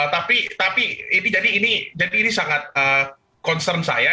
tapi ini jadi ini sangat concern saya